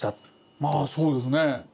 まあそうですね。